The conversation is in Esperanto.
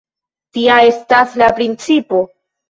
Tia estas la principo.